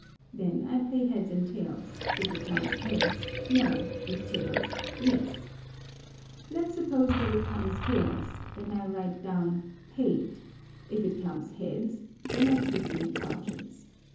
Then I play heads and tails: if it comes heads, no; if tails, yes. Let's suppose that it comes tails, then I write down paid; if it comes heads, then I keep the indulgence.